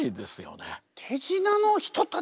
手品の人たち。